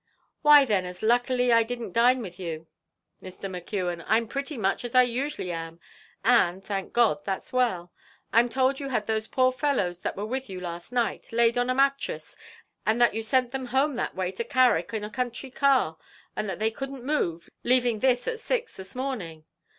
"Why then, as luckily I didn't dine with you, Mr. McKeon, I'm pretty much as I usually am, and, thank God, that's well. I'm told you had those poor fellows that were with you last night, laid on a mattress, and that you sent them home that way to Carrick on a country car, and that they couldn't move, leaving this at six this morning."